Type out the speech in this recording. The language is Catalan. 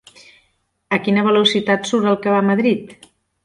A quina velocitat surt el que va a Madrid?